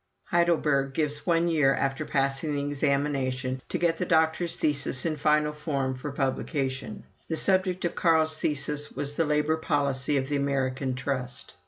Heidelberg gives one year after passing the examination to get the doctor's thesis in final form for publication. The subject of Carl's thesis was "The Labor Policy of the American Trust."